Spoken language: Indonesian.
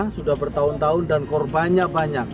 sudah bertahun tahun dan korbannya banyak